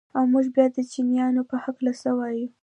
او موږ بيا د چينايانو په هکله څه وايو؟